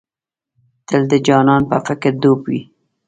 تل د جانان په فکر ډوب وې.